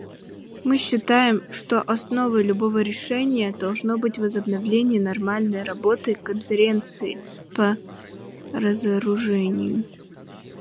Мы считаем, что основой любого решения должно быть возобновление нормальной работы Конференции по разоружению.